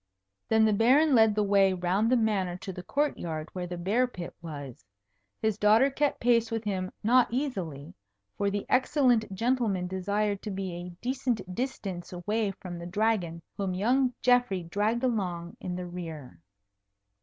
Then the Baron led the way round the Manor to the court yard where the bear pit was. His daughter kept pace with him not easily, for the excellent gentleman desired to be a decent distance away from the Dragon, whom young Geoffrey dragged along in the rear.